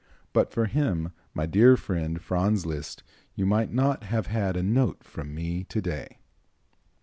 But for him, my dear friend, Franz Liszt, you might not have had a note from me to day."